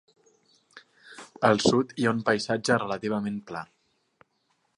Al sud hi ha un paisatge relativament pla.